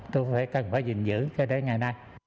tôi cần phải giữ cho đến ngày nay